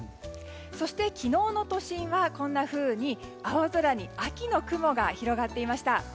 そして、昨日の都心はこんなふうに青空に秋の雲が広がっていました。